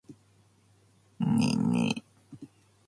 ねえねえ。